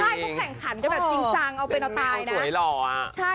ใช่ต้องแข่งขันก็แบบจริงจังเอาเป็นตัวตายเล่นมีตอนสวยเหล่าอ่า